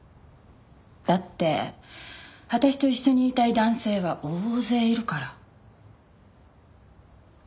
だって私と一緒にいたい男性は大勢いるから。